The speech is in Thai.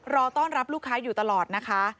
รอต้อนรับลูกค้าอยู่ตลอดนะคะ